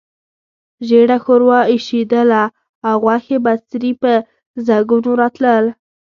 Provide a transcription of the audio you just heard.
ژېړه ښوروا اېشېدله او غوښې بڅري په ځګونو راتلل.